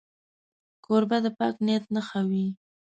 کوربه د پاک زړه نښه وي.